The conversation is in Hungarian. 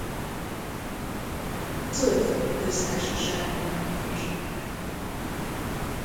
A Zöld-foki Köztársaságban honos.